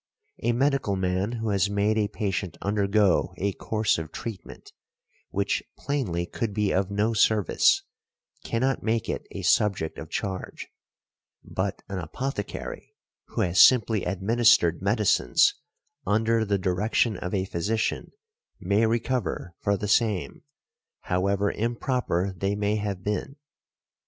A medical man who has made a patient undergo a course of treatment which plainly could be of no service, cannot make it a subject of charge; but an apothecary who has simply administered medicines under the direction of a physician may recover for the same, however improper they may have been .